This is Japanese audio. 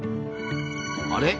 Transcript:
あれ？